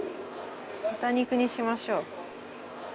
豚肉にしましょう。